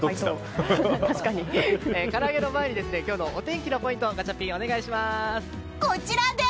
から揚げの前に今日のお天気のポイントをガチャピン、お願いします。